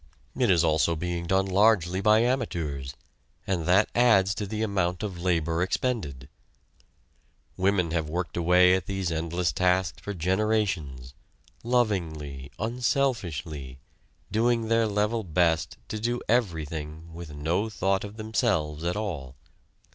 It is also being done largely by amateurs, and that adds to the amount of labor expended. Women have worked away at these endless tasks for generations, lovingly, unselfishly, doing their level best to do everything, with no thought of themselves at all.